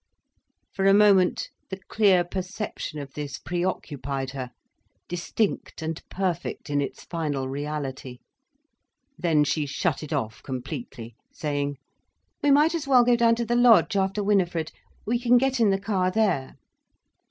For a moment the clear perception of this preoccupied her, distinct and perfect in its final reality. Then she shut it off completely, saying: "We might as well go down to the lodge after Winifred—we can get in the car there."